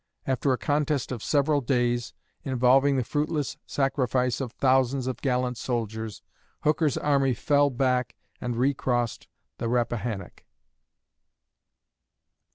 After a contest of several days, involving the fruitless sacrifice of thousands of gallant soldiers, Hooker's army fell back and recrossed the Rappahannock.